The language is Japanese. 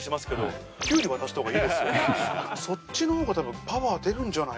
そっちの方が多分。